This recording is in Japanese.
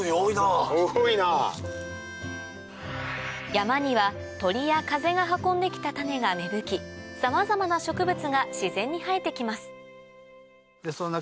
山には鳥や風が運んできた種が芽吹きさまざまな植物が自然に生えてきます